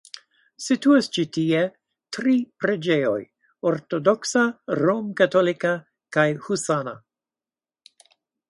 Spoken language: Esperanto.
Situas ĉi tie tri preĝejoj: ortodoksa, romkatolika kaj husana.